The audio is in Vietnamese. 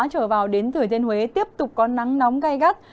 trở vào đến thừa thiên huế tiếp tục có nắng nóng gai gắt